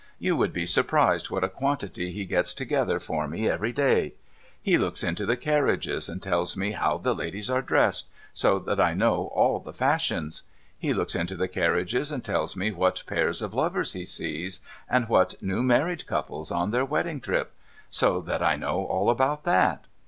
You would be surprised what a quantity he gets together for me every day. He looks into the carriages, and tells me how the ladies are dressed — so that I know all the fashions ! He looks into the carriages, and tells me what pairs of lovers he sees, and what new married coujjles on their wedding trip — so that I know all about that